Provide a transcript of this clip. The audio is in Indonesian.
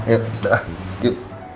yaudah yuk bangun